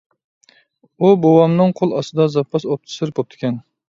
ئۇ بوۋامنىڭ قول ئاستىدا زاپاس ئوفىتسېر بوپتىكەن.